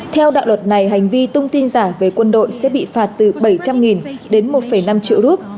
theo đạo luật này hành vi tung tin giả về quân đội sẽ bị phạt từ bảy trăm linh đến một năm triệu rup